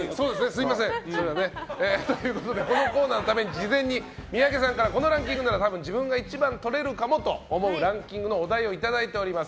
このコーナーのために事前に三宅さんにこのランキングなら自分が１番とれるかもと思うランキングのお題をいただいております。